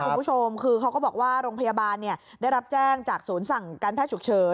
คุณผู้ชมคือเขาก็บอกว่าโรงพยาบาลได้รับแจ้งจากศูนย์สั่งการแพทย์ฉุกเฉิน